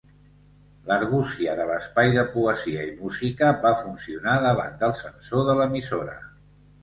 L'argúcia de l'espai de poesia i música va funcionar davant del censor de l'emissora.